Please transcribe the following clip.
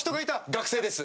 学生です。